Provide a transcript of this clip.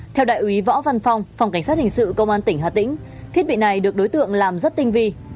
theo đại úy võ văn phong phòng cảnh sát hình sự công an tỉnh hà tĩnh thiết bị này được đối tượng làm rất tinh vi